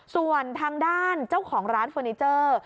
ส่วนทางด้านเจ้าของร้านเฟอร์นิเจอร์